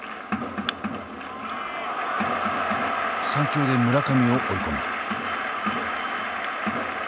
３球で村上を追い込む。